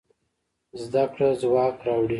زده کړه ځواک راوړي.